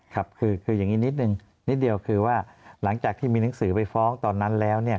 ครับคืออย่างนี้นิดนึงนิดเดียวคือว่าหลังจากที่มีหนังสือไปฟ้องตอนนั้นแล้ว